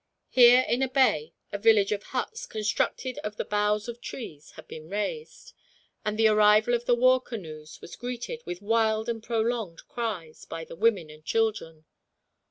Here in a bay a village of huts, constructed of the boughs of trees, had been raised; and the arrival of the war canoes was greeted, with wild and prolonged cries, by the women and children.